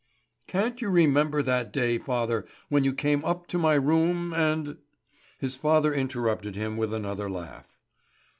"Can't you remember that day, father, when you came up to my room and " His father interrupted him with another laugh.